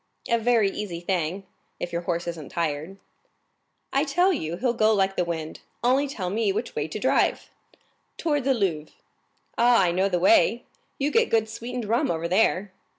"A very easy thing, if your horse isn't tired." "I tell you he'll go like the wind,—only tell me which way to drive." "Towards the Louvres." "Ah, I know the way—you get good sweetened rum over there."